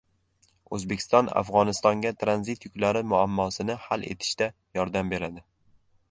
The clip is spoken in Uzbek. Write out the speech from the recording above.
O‘zbekiston Afg‘onistonga tranzit yuklari muammosini hal etishda yordam beradi